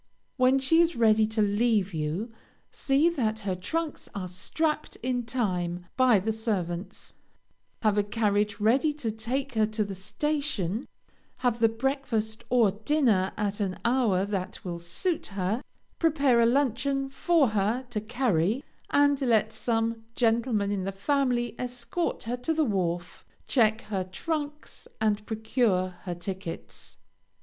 When she is ready to leave you, see that her trunks are strapped in time by the servants, have a carriage ready to take her to the station, have the breakfast or dinner at an hour that will suit her, prepare a luncheon for her to carry, and let some gentleman in the family escort her to the wharf, check her trunks, and procure her tickets.